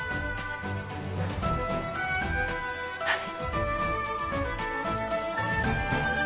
はい。